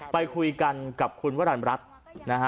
ไปคุยกันกับคุณวรรณรัฐนะฮะ